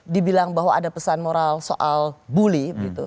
dibilang bahwa ada pesan moral soal bully